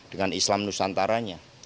dengan islam nusantaranya